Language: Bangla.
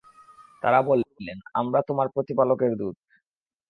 তারা বললেন, আমরা তোমার প্রতিপালকের দূত।